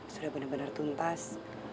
sudah bener bener tuntas